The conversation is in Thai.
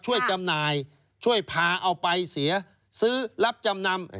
จำหน่ายช่วยพาเอาไปเสียซื้อรับจำนำ